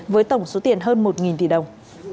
với tổng số tiền hơn một tỷ đồng